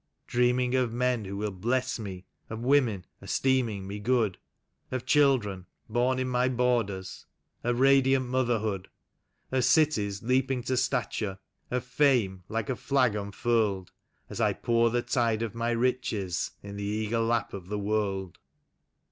Dreaming of men who will bless me, of women esteem ing me good, Of children born in my borders, of radiant motherhood, Of cities leaping to stature, of fame like a flag unfurled. As I pour the tide of my riches in the eager lap of the world."